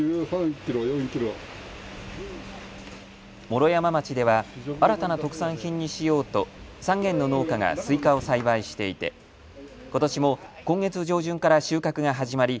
毛呂山町では新たな特産品にしようと３軒の農家がスイカを栽培していてことしも今月上旬から収穫が始まり